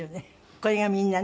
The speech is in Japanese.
これがみんなね？